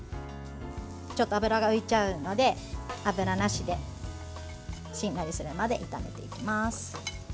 ちょっと油が浮いちゃうので油なしでしんなりするまで炒めていきます。